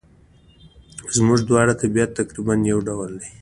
زموږ دواړو طبیعت تقریباً یو ډول وو.